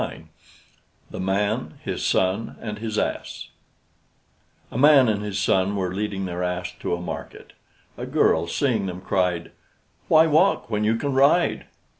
THE MAN, HIS SON, AND HIS ASS A man and his son were leading their ass to market. A girl, seeing them, cried, "Why walk when you can ride?"